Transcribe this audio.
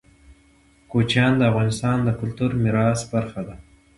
کوچیان د افغانستان د کلتوري میراث برخه ده.